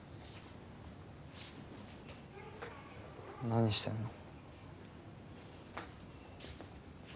何してんの？